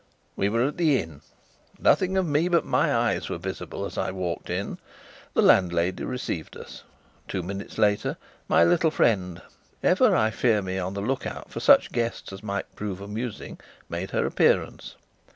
We were at the inn. Nothing of me but my eyes was visible as I walked in. The landlady received us; two minutes later, my little friend (ever, I fear me, on the look out for such guests as might prove amusing) made her appearance.